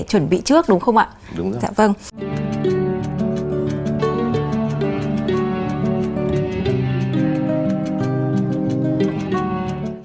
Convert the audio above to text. chuẩn bị trước đúng không ạ đúng rồi dạ vâng